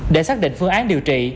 để xác định phương án điều trị